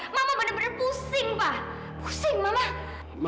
mama bener bener pusing pa pusing mama